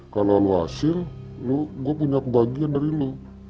kalau lo hasil gue punya kebahagiaan dari lo